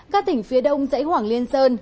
các tỉnh phía đông chảy hoảng liên sơn